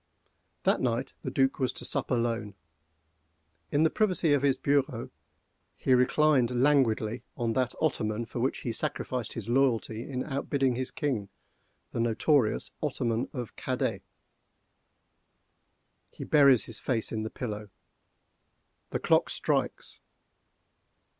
That night the Duc was to sup alone. In the privacy of his bureau he reclined languidly on that ottoman for which he sacrificed his loyalty in outbidding his king—the notorious ottoman of Cadêt. He buries his face in the pillow. The clock strikes!